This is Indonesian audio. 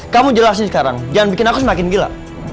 kamu jelasin sekarang jangan bikin aku semakin gila